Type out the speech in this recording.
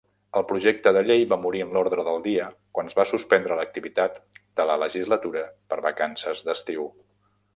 El projecte de llei va morir en l'ordre del dia quan es va suspendre l'activitat de la legislatura per vacances d'estiu.